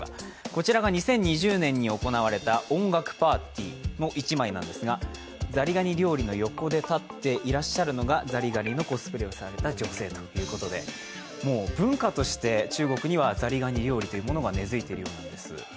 こちらが２０２０年に行われた音楽パーティーの１枚なんですが、ザリガニ料理の横に立っていらっしゃるのがザリガニのコスプレをされた女性ということで文化として中国にはザリガニ料理が根付いているようなんです。